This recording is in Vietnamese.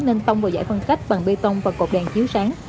nên tông vào giải phân cách bằng bê tông và cột đèn chiếu sáng